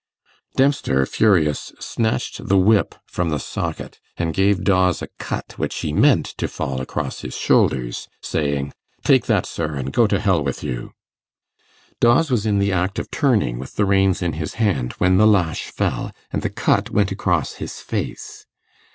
Dempster, furious, snatched the whip from the socket, and gave Dawes a cut which he meant to fall across his shoulders saying, 'Take that, sir, and go to hell with you!' Dawes was in the act of turning with the reins in his hand when the lash fell, and the cut went across his face.